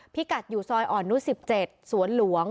พิกัดอยู่ซอยอ่อนนุษ๑๗สวนหลวง